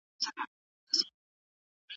ايا حضوري ټولګي د ګډې زده کړي فضا جوړوي؟